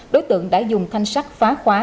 đối tượng đã dùng thanh sắt phá khóa